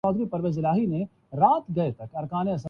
ہمیں اس باب میں آگاہی کی ایک بڑی مہم چلانا ہو گی۔